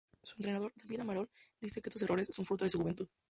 Su entrenador, David Amaral, dice que estos errores son fruto de su juventud.